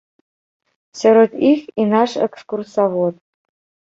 Сярод іх і наш экскурсавод.